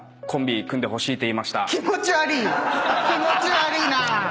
気持ち悪いな！